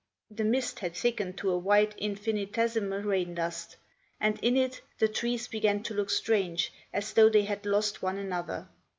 The mist had thickened to a white, infinitesimal rain dust, and in it the trees began to look strange, as though they had lost one another.